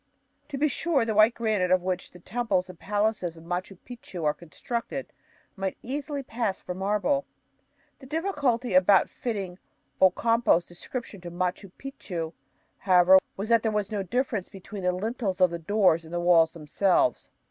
To be sure, the white granite of which the temples and palaces of Machu Picchu are constructed might easily pass for marble. The difficulty about fitting Ocampo's description to Machu Picchu, however, was that there was no difference between the lintels of the doors and the walls themselves.